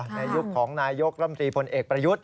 ยุคของนายยกรัมตรีพลเอกประยุทธ์